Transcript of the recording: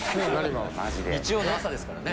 日曜の朝ですからね。